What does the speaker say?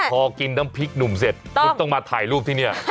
พอกินน้ำพริกหนุ่มเสร็จคุณต้องมาถ่ายรูปที่นี่